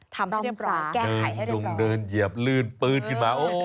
ทำให้เรียบร้อยแก้ไขให้เรียบร้อยนึงลุงเนินเหยียบลื่นปืนขึ้นมาโอ้